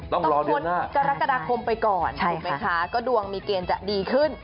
ต้องพ้นกรกฎาคมไปก่อนถูกไหมคะก็ดวงมีเกณฑ์จะดีขึ้น